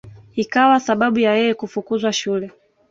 Ikawa sababu ya yeye kufukuzwa shule